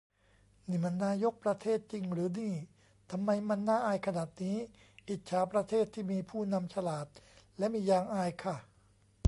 นี่มันนายก ประเทศ จริงหรือนี่ ทำไมมันน่าอายขนาดนี้ อิจฉาประเทศ ที่มีผู้นำฉลาด และมียางอายค่ะ